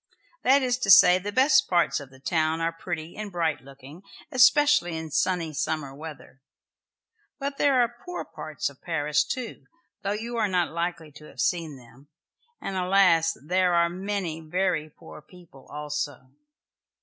That is to say, the best parts of the town are pretty and bright looking, especially in sunny summer weather. But there are poor parts of Paris too, though you are not likely to have seen them, and alas, there are many very poor people also!